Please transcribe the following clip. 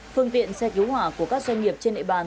phương tiện xe cứu hỏa của các doanh nghiệp trên địa bàn